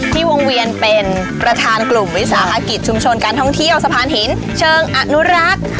วงเวียนเป็นประธานกลุ่มวิสาหกิจชุมชนการท่องเที่ยวสะพานหินเชิงอนุรักษ์